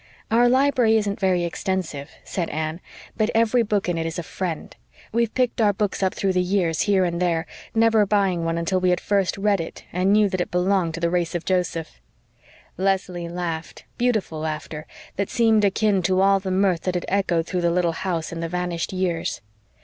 "Our library isn't very extensive," said Anne, "but every book in it is a FRIEND. We've picked our books up through the years, here and there, never buying one until we had first read it and knew that it belonged to the race of Joseph." Leslie laughed beautiful laughter that seemed akin to all the mirth that had echoed through the little house in the vanished years.